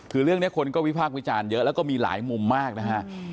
คือเรื่องนี้คนก็วิพากษ์วิจารณ์เยอะแล้วก็มีหลายมุมมากนะฮะ